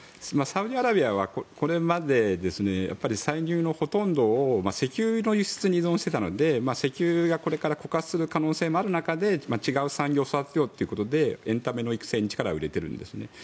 サウジアラビアはこれまで歳入のほとんどを石油の輸出に依存していたので石油がこれから枯渇する可能性もある中で違う産業を育てようということでエンタメの育成に力を入れているんですね。